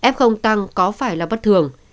f tăng có phải là bất thường